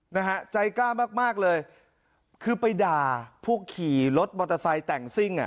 นะฮะใจกล้ามากมากเลยคือไปด่าผู้ขี่รถมอเตอร์ไซค์แต่งซิ่งอ่ะ